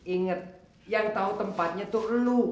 ingat yang tau tempatnya tuh lu